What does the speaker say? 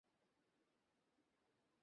এই অদ্ভুত জীবদুটোকে আগুনে ছুঁড়ে ফেলো!